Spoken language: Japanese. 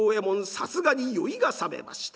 さすがに酔いが覚めました。